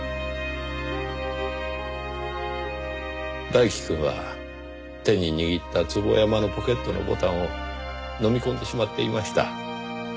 大樹くんは手に握った坪山のポケットのボタンを飲み込んでしまっていました。